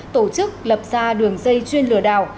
tổ chức lập ra đường dây chuyên lừa đảo